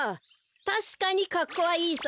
たしかにかっこはいいさ。